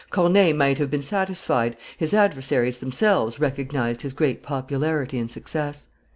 Corneille might have been satisfied; his adversaries themselves recognized his great popularity and success.